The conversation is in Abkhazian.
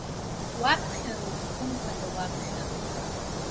Уаԥхьароуп, хымԥада уаԥхьароуп.